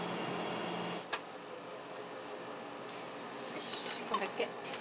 よしこんだけ。